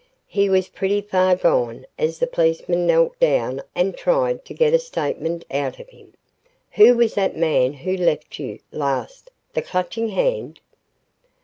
He was pretty far gone, as the policeman knelt down and tried to get a statement out of him. "Who was that man who left you last the Clutching Hand?"